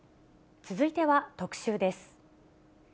続いては特集です。